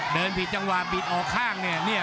เดินผิดจังหวะบิดออกข้างเนี่ย